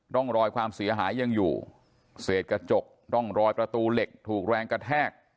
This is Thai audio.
ร่องรอยความเสียหายยังอยู่เศษกระจกร่องรอยประตูเหล็กถูกแรงกระแทก